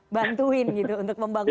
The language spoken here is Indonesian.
bantuin gitu untuk membangun